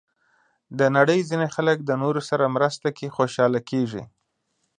د نړۍ ځینې خلک د نورو سره مرسته کې خوشحاله کېږي.